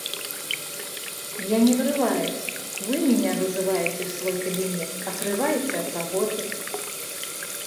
Я не врываюсь, Вы меня вызываете в свой кабинет, отрываете от работы.